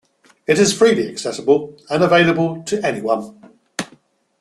It is freely accessible and available to anyone.